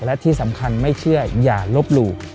และที่สำคัญไม่เชื่ออย่าลบหลู่